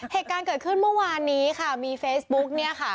เหตุการณ์เกิดขึ้นเมื่อวานนี้ค่ะมีเฟซบุ๊กเนี่ยค่ะ